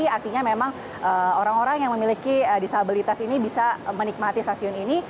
jadi artinya memang orang orang yang memiliki disabilitas ini bisa menikmati